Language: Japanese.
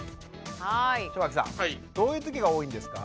正垣さんどういうときが多いんですか？